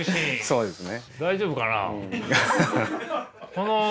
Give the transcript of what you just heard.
そうですね。